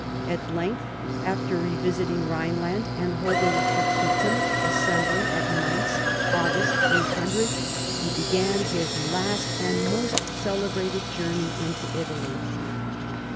At length, after revisiting Rhine land and holding a jylacitum [assembly] at Mainz (August, 800) he began his last and most celebrated journey into Italy.